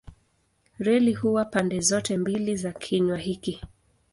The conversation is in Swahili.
Reli huwa pande zote mbili za kinywa hiki.